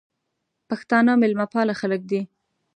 پښتانه مېلمه پاله خلګ دي.